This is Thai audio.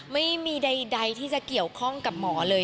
ไม่มีใดที่จะเกี่ยวข้องกับหมอเลย